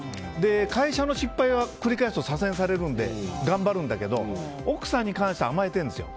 会社の失敗は繰り返すと左遷されるので頑張るんだけど奥さんに対して甘えてるんですよ。